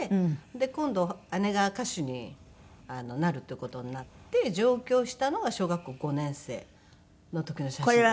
今度姉が歌手になるっていう事になって上京したのが小学校５年生。の時の写真ですね